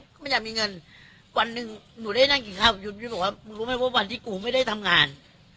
เขาไม่อยากมีเงินวันหนึ่งหนูได้นั่งกินข้าวกับยุนพี่บอกว่ามึงรู้ไหมว่าวันที่กูไม่ได้ทำงาน